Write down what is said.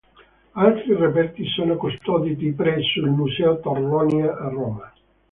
Altri reperti sono custoditi presso il Museo Torlonia a Roma.